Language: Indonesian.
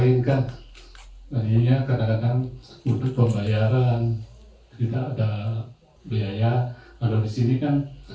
intinya dimudahkan pak ya